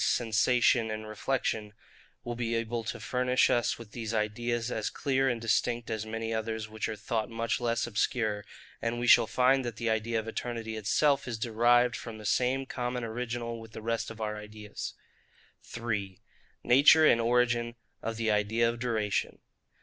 sensation and reflection, will be able to furnish us with these ideas, as clear and distinct as many others which are thought much less obscure; and we shall find that the idea of eternity itself is derived from the same common original with the rest of our ideas. 3. Nature and origin of the idea of Duration.